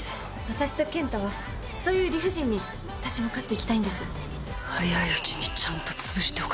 私と健太は、そういう理不尽に立ち向かっていきたいんです。